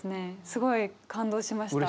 すごい感動しました。